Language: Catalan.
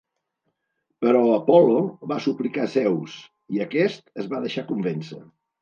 Però Apol·lo va suplicar Zeus, i aquest es va deixar convèncer.